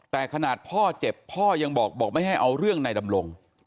แต่ขนาดพ่อเจ็บพ่อยังบอกไม่ให้เอาเรื่องในดำรง